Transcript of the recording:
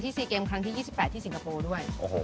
๔เกมครั้งที่๒๘ที่สิงคโปร์ด้วย